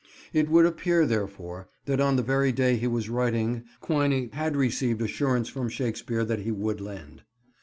..." It would appear, therefore, that on the very day he was writing, Quiney had received assurance from Shakespeare that he would lend.